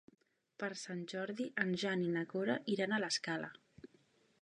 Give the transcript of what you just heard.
Per Sant Jordi en Jan i na Cora iran a l'Escala.